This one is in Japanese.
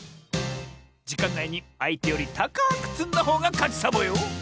じかんないにあいてよりたかくつんだほうがかちサボよ！